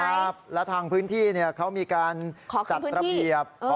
ครับแล้วทางพื้นที่เนี้ยเขามีการขอคืนพื้นที่จัดระเบียบเออ